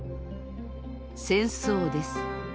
戦争です。